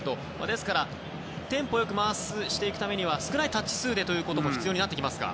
ですからテンポ良く回していくには少ないタッチ数ということが必要になりますか。